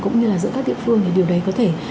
cũng như là giữa các địa phương thì điều đấy có thể